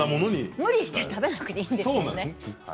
無理して食べなくていいんですね。